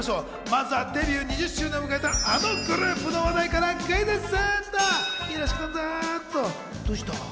まずはデビュー２０周年を迎えたのグループの話題からクイズッス！